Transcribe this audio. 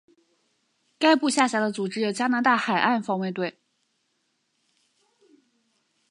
该部下辖的组织有加拿大海岸防卫队。